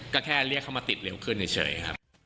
ก็แค่เรียกเข้ามาติดเร็วขึ้นเฉยครับ